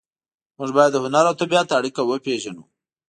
موږ باید د هنر او طبیعت اړیکه وپېژنو